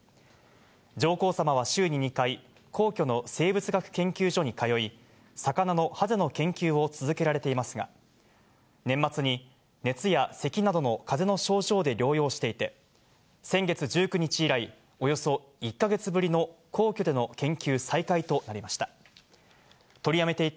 上皇さまは週に２回、皇居の生物学研究所に通い、魚のハゼの研究を続けられていますが、年末に熱やせきなどの風邪の症状で療養していて、先月１９日以来、およそ１か月ぶりの皇居での研究再開となりました。